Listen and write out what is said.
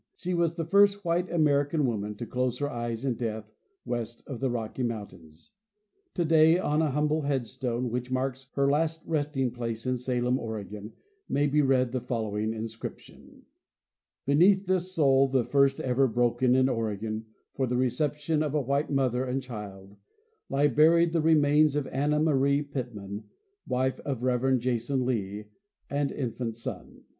She was the first white American woman to close her eyes in death west of the Rocky mountains. Today, on an humble headstone which marks her last resting place in Salem, Oregon, may be read the following inscription: * The Baptism of Sorrow 269 '' Beneath this sod, the first ever broken in Oregon for the reception of a white mother and child, lie buried the remains of Anna Maria Pitman, wife of Reverend Jason Lee, and infant son.